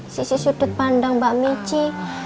sisi sudut pandang mbak mici